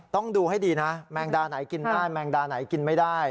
ต้องดูให้ดีนะแมงดาไหนกินได้แมงดาไหนกินไม่ได้